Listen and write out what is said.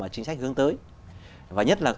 chính sách hướng tới và nhất là